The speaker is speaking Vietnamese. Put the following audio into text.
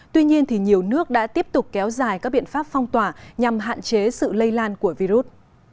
tuy nhiên nhiều nước đã tiếp tục kéo dài các biện pháp phong tỏa nhằm hạn chế sự lây lan của virus